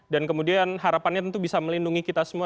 dan kemudian harapannya tentu bisa melindungi kita